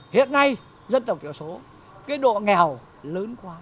hiện nay dân tộc thiểu số cái độ nghèo lớn quá